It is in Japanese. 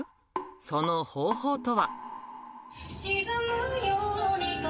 その方法とは。